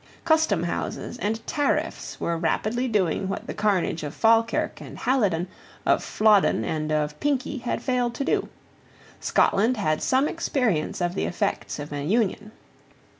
Customhouses and tariffs were rapidly doing what the carnage of Falkirk and Halidon, of Flodden and of Pinkie, had failed to do. Scotland had some experience of the effects of an union.